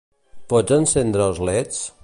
Pots encendre els leds?